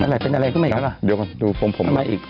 อะไรเป็นอะไรขึ้นมาอีกแล้วล่ะเดี๋ยวก่อนดูโปรงผมมาอีก